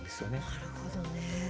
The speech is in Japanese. なるほど。